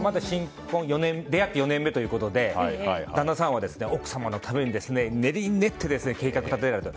出会って４年目ということで旦那様は奥様のために練りに練って計画を立てられた。